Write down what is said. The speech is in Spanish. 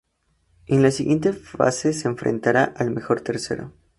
En la siguiente fase se enfrentará al mejor tercero.